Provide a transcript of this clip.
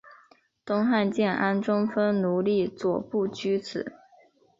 东汉建安中分匈奴左部居此。